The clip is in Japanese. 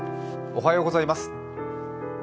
おはようございます。